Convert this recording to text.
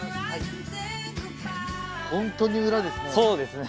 本当に裏ですね。